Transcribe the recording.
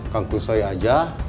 kang kusai aja